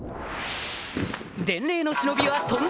伝令の忍びは飛んだ！